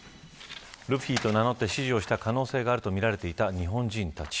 ルフィと名乗って指示をした可能性があるとみられていた日本人たち。